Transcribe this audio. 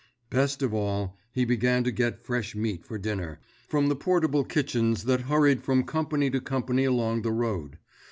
Best of all, he began to get fresh meat for dinner, from the portable kitchens that hurried from company to company along the road.